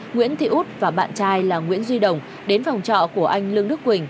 nguyễn thị út và bạn trai là nguyễn duy đồng đến phòng trọ của anh lương đức quỳnh